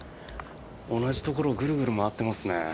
同じところをぐるぐる回ってますね。